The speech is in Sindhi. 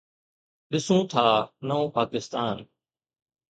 ڏسون ٿا نئون پاڪستان.